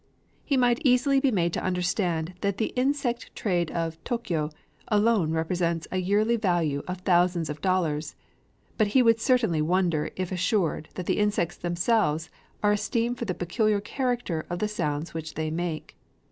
He might easily be made to understand that the insect trade of Tōkyō alone represents a yearly value of thousands of dollars; but he would certainly wonder if assured that the insects themselves are esteemed for the peculiar character of the sounds which they make.